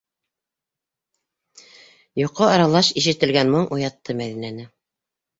Йоҡо аралаш ишетелгән моң уятты Мәҙинәне.